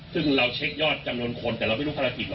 ซึ่งเราเช็คยอดจำนวนคนแต่เราไม่รู้ภารกิจห